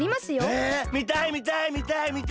えみたいみたいみたいみたい！